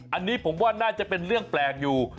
อันนี้ผมว่าน่าจะเป็นเรื่องแปลกอยู่